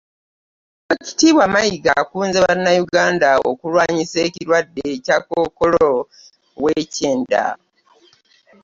Oweekitiibwa Mayiga akunze bannayuganda okulwanyisa ekirwadde Kya kkookolo w'ekyenda.